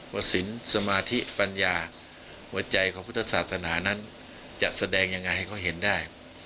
สินสมาธิปัญญาหัวใจของพุทธศาสนานั้นจะแสดงยังไงให้เขาเห็นได้